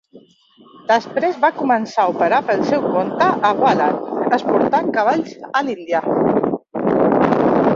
Després va començar a operar pel seu compte a Wallan exportant cavalls a l'Índia.